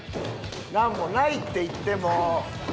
なんもないって行っても。